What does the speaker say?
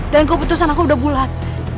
dan keputusan aku udah bulat